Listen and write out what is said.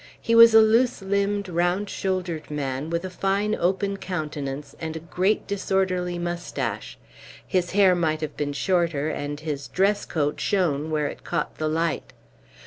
He was a loose limbed, round shouldered man, with a fine open countenance, and a great disorderly moustache; his hair might have been shorter, and his dress coat shone where it caught the light.